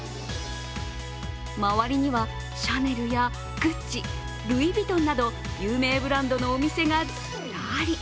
周りには、シャネルやグッチルイ・ヴィトンなど、有名ブランドのお店がずらり。